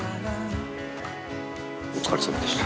お疲れさまでした。